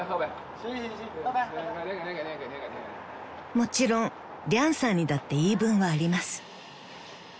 ［もちろんリャンさんにだって言い分はあります］